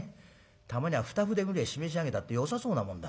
たまには二筆ぐれえしめし上げたってよさそうなもんだ。